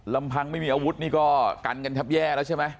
ลำพังไม่มีอาวุธนี่ก็กันกันทับแย่แล้วใช่ไหม